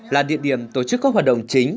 là địa điểm tổ chức các hoạt động chính